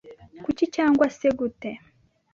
Kuki cyangwa se gute